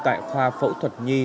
tại khoa phẫu thuật nhi